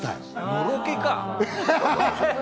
のろけか！